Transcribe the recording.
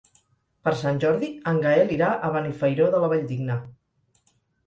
Per Sant Jordi en Gaël irà a Benifairó de la Valldigna.